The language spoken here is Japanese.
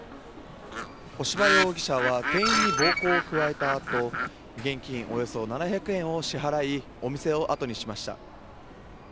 干場容疑者は店員に暴行を加えたあと現金およそ７００円を支払いお店をあとにしました。